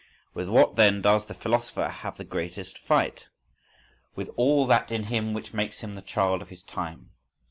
With what then does the philosopher have the greatest fight? With all that in him which makes him the child of his time.